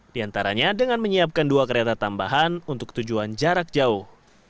di antaranya dengan menyiapkan dua kereta tambahan untuk tujuan jarak jauh